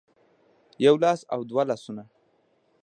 يو لاس او دوه لاسونه